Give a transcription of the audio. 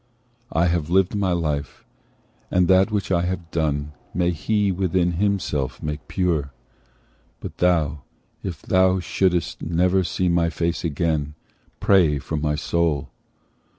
I have lived my life, and that which I have done May He within himself make pure! but thou, If thou shouldst never see my face again, Pray for my soul.